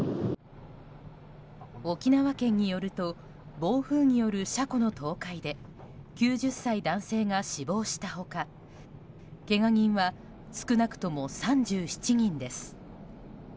沖縄県によると暴風による車庫の倒壊で９０歳男性が死亡した他けが人は少なくとも３７人です。